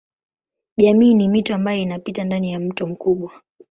Jamii ni mito ambayo inapita ndani ya mto mkubwa.